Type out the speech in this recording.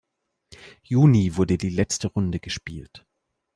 Juni wurde die letzte Runde gespielt.